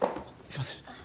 すいません。